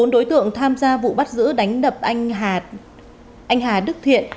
bốn đối tượng tham gia vụ bắt giữ đánh đập anh hà đức thiện